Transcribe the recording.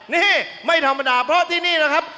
นี่ไม่ธรรมดาเพราะที่นี่นะครับ